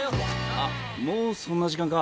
あっもうそんな時間か。